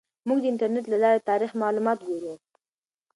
موږ د انټرنیټ له لارې تاریخي معلومات ګورو.